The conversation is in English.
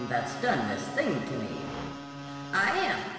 that's done this thing to me: "I am.